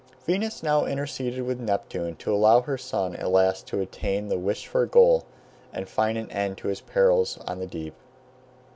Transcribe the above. Venus now interceded with Neptune to allow her son at last to attain the wished for goal and find an end of his perils on the deep.